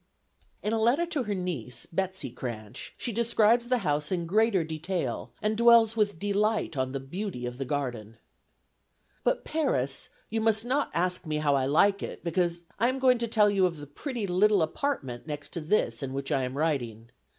In a letter to her niece, Betsey Cranch, she describes the house in greater detail, and dwells with delight on the beauty of the garden. "But Paris, you must not ask me how I like it, because I am going to tell you of the pretty little apartment next to this in which I am writing.